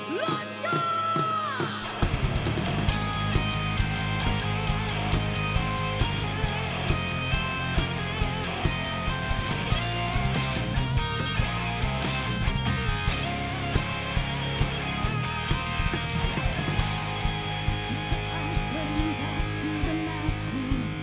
lontongkan semua yang berdiam diri